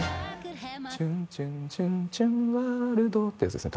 チュンチュンチュンチュンワールドってやつですね